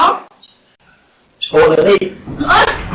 ขอบร้อยวะต่อ